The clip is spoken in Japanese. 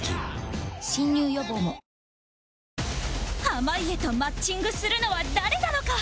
濱家とマッチングするのは誰なのか？